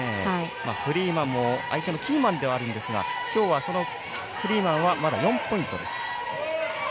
フリーマンも相手のキーマンではありますが今日はフリーマンはまだ４ポイントです。